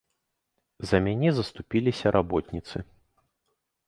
За мяне заступіліся работніцы.